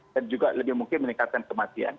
dan juga lebih mungkin meningkatkan kematian